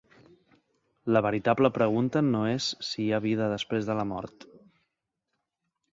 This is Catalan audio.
La veritable pregunta no és si hi ha vida després de la mort.